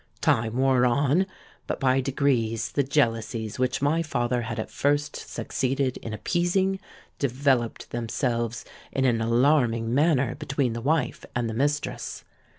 Time wore on; but by degrees the jealousies which my father had at first succeeded in appeasing, developed themselves in an alarming manner between the wife and the mistress.